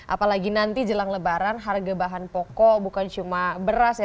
apalagi nanti jelang lebaran harga bahan pokok bukan cuma beras ya